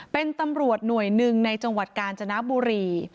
เป็นตำรวจหน่วยหนึ่งในจังหวัดกาญจนบุรี